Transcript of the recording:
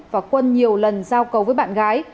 và quân nhiều lần giao cầu với bạn gái